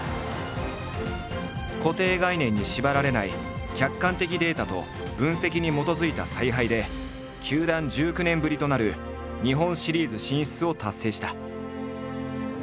固定概念に縛られない客観的データと分析に基づいた采配で球団１９年ぶりとなる日本シリーズ進出を達成した。